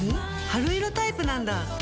春色タイプなんだ。